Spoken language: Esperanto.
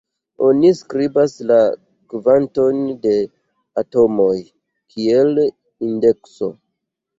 Oni skribas la kvanton de atomoj kiel indekso.